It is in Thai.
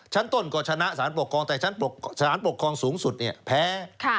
ชั้นต้นก็ชนะสารปกครองแต่ชั้นปกครองสูงสุดแพ้